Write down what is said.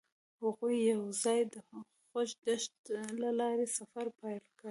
هغوی یوځای د خوږ دښته له لارې سفر پیل کړ.